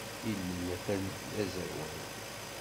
Ilel atan d aẓerwal.